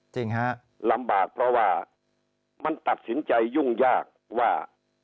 จริงฮะลำบากเพราะว่ามันตัดสินใจยุ่งยากว่า